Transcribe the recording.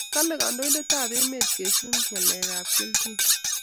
kale kandoit ab emet kechu ngalek ab kilchin